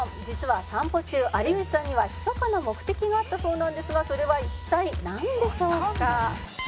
実は散歩中有吉さんには密かな目的があったそうなんですがそれは一体なんでしょうか？」